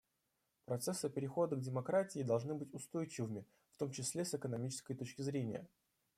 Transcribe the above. Процессы перехода к демократии должны быть устойчивыми, в том числе с экономической точки зрения.